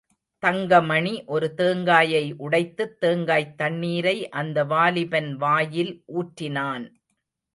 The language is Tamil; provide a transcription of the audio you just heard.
தங்கமணி ஒரு தேங்காயை உடைத்துத் தேங்காய்த் தண்ணீரை அந்த வாலிபன் வாயில் ஊற்றினான்.